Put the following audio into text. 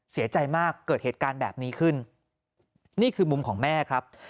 เสียใจมากเกิดเหตุการณ์แบบนี้ขึ้นนี่คือมุมของแม่ครับ